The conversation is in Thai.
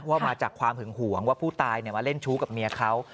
ว่ามาจากความหึงหวงว่าผู้ตายมาเล่นชู้กับเมียเขา